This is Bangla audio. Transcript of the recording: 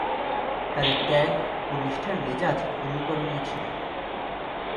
তাদের ত্যাগ ও নিষ্ঠার মেজাজ অনুকরণীয় ছিল।